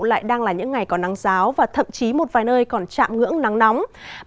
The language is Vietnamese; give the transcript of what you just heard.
lại đang là những ngày có nắng giáo và thậm chí một vài nơi còn chạm ngưỡng nắng nóng